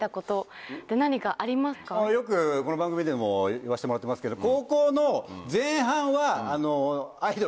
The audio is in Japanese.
よくこの番組でも言わせてもらってますけど。